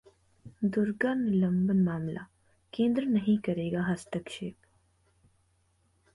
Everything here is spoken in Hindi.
दुर्गा निलंबन मामला: केंद्र नहीं करेगा हस्तक्षेप